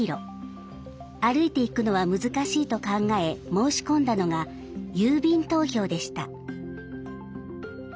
歩いて行くのは難しいと考え申し込んだのが郵便投票でした。